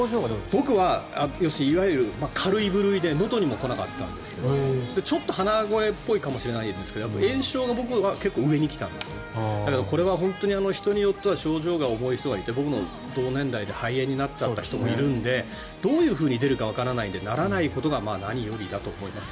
僕は要するに軽い部類でのどにも来なかったんですけどちょっと鼻声っぽいかもしれないですが炎症は僕は結構上に来たんですねだけどこれは本当に人によっては症状が重い人がいて僕も同年代で肺炎になっちゃった人もいるのでどういうふうに出るかわからないのでならないことが何よりだと思います。